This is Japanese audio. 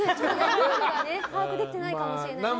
ルールが把握できてないかもしれませんが。